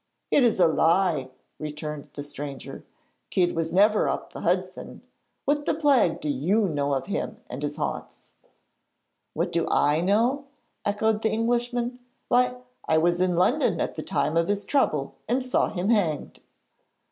'It is a lie,' returned the stranger; 'Kidd was never up the Hudson! What the plague do you know of him and his haunts?' 'What do I know?' echoed the Englishman. 'Why, I was in London at the time of his trouble and saw him hanged.'